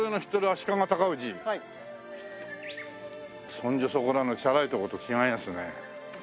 そんじょそこらのチャラい所と違いますね。